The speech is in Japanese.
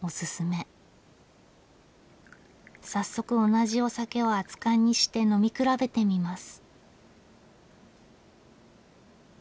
早速同じお酒を熱燗にして呑み比べてみます。